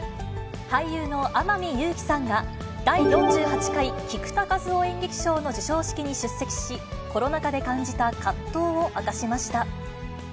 俳優の天海祐希さんが、第４８回菊田一夫演劇賞の授賞式に出席し、コロナ禍で感じた葛藤を明かしました。